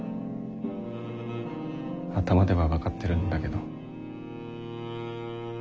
頭では分かってるんだけど。